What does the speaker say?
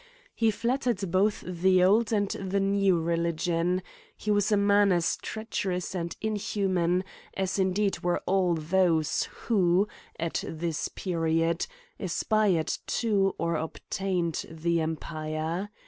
He flattered both the old and the new religion ; he was a man as treacherous DUIMES AND PUNISHMEN lb. 107 as inhuman, as indeed were all those, who, at this period, aspired to or obtained the empire.